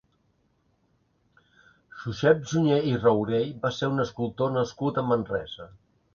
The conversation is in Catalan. Josep Sunyer i Raurell va ser un escultor nascut a Manresa.